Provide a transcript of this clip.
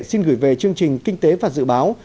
xin gửi về chương trình kinh tế và dự báo